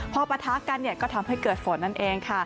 พอปะทะกันก็ทำให้เกิดฝนนั่นเองค่ะ